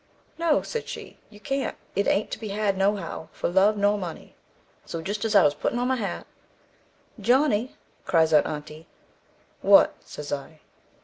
'No,' said she, 'you can't; it ain't to be had no how, for love nor money.' So jist as I was puttin' on my hat, 'Johnny,' cries out aunty, 'What,' says I.